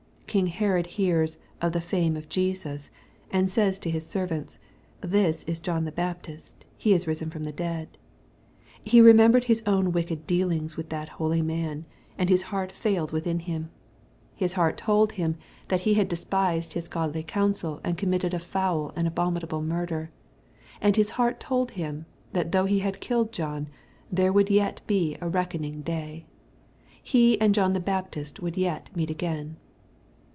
King Herod hears of " the fame of Jesus," and says to his servants, " This is John the Baptist : he is risen fix)m the dead." He remembered his own wicked deal« ings with that holy man, and his heart failed within hiia MATTHEW, CHAP. XIV. . 159 fiis heart told him that he had despised his godly counsel and committed a foul and abominable murder. And his heart told him, that though he had killed John, there would yet be a reckoning day. He and John the Baptist would yet meet again.